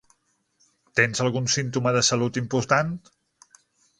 Tens algun símptoma de salut important?